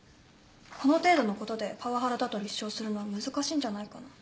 この程度のことでパワハラだと立証するのは難しいんじゃないかな。